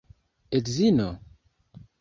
Edzino?